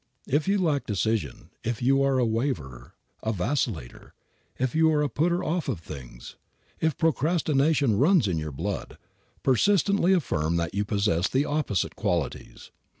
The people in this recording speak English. If you lack decision, if you are a waverer, a vacillator, if you are a putter off of things, if procrastination runs in your blood, persistently affirm that you possess the opposite qualities.